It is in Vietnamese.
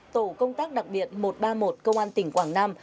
tổ công tác đặc biệt một trăm ba mươi một công an tỉnh quảng nam